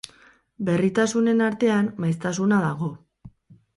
Berritasunen artean maiztasuna dago.